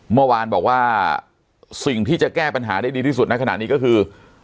เมื่อวานบอกว่าสิ่งที่จะแก้ปัญหาได้ดีที่สุดในขณะนี้ก็คือ